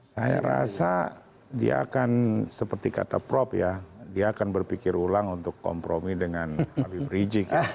saya rasa dia akan seperti kata prof ya dia akan berpikir ulang untuk kompromi dengan habib rizik